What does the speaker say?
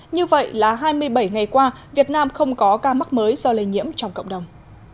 như vậy là hai mươi bảy ngày qua việt nam không có ca mắc mới do lây nhiễm trong cộng đồng